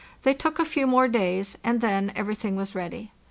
They took a few more days, and then everything was ready.